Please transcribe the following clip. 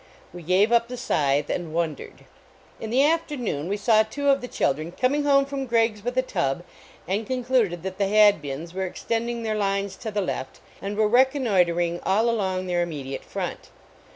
We gave up the scythe and wondered. In the afternoon we saw two of the chil dren coming home from Gregg s with a tub, and concluded that the Haclbins were extend ing their lines to the left, and were reconnoi tering all along their immediate front.